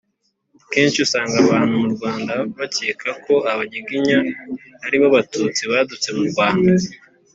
kenshi usanga abantu mu rwanda bakeka ko abanyiginya ari bo batutsi badutse mu rwanda